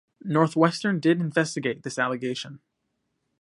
Northwestern did investigate this allegation.